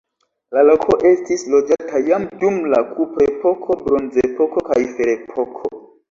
La loko estis loĝata jam dum la kuprepoko, bronzepoko kaj ferepoko.